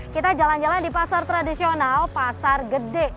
kita jalan jalan di pasar tradisional pasar gede